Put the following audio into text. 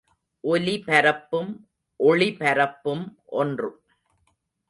ஒலிபரப்பும் ஒளிபரப்பும் ஒன்று.